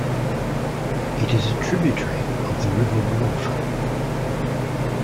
It is a tributary of the River Wharfe.